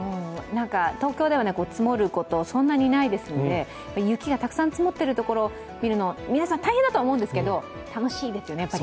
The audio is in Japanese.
東京では積もること、そんなにないですので雪がたくさん積もっているところを見るの、皆さん、大変だとは思うんですけど楽しいですよね、やっぱり。